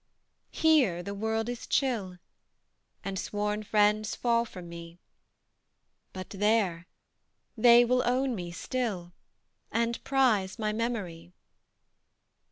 HERE the world is chill, And sworn friends fall from me: But THERE they will own me still, And prize my memory."